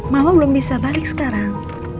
mama belum bisa balik sekarang